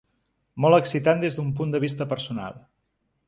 Molt excitant des d’un punt de vista personal.